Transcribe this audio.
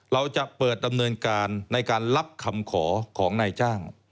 เราจะเปิดดำเนินการในการรับคำขอของนายจ้าง